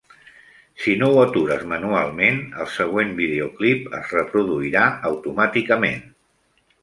Si no ho atures manualment, el següent videoclip es reproduirà automàticament.